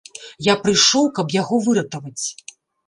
Я прыйшоў, каб яго выратаваць.